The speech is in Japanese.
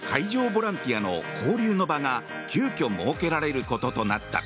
ボランティアの交流の場が急きょ設けられることとなった。